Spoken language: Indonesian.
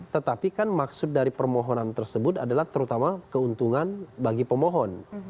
tetapi kan maksud dari permohonan tersebut adalah terutama keuntungan bagi pemohon